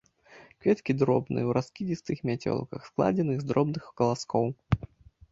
Кветкі дробныя, у раскідзістых мяцёлках, складзеных з дробных каласкоў.